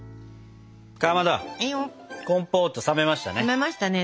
かまどコンポート冷めましたね。